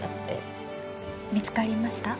見つかりました？